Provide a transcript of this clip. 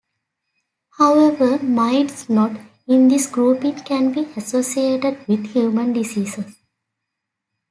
However, mites not in this grouping can be associated with human disease.